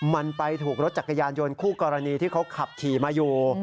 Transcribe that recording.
มันไปถูกรถจักรยานยนต์คู่กรณีที่เขาขับขี่มาอยู่